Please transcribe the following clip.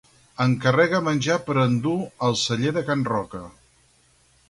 Encarrega menjar per endur al Celler de Can Roca.